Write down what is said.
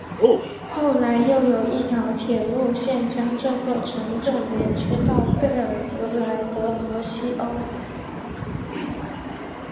后来又有一条铁路线将这个城镇连接到贝尔格莱德和西欧。